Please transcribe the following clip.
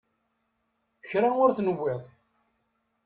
Kra ur t-newwiḍ.